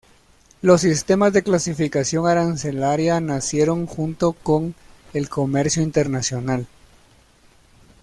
Los sistemas de clasificación arancelaria nacieron junto con el comercio internacional.